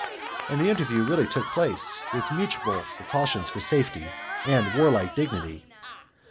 And the interview really took place, with mutual precautions for safety and warlike dignity.